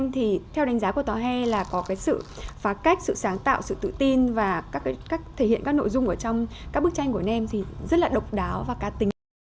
theo đánh giá của tòa he là có sự phá cách sự sáng tạo sự tự tin và thể hiện các nội dung ở trong các bức tranh của nem thì rất là độc đáo và cá tính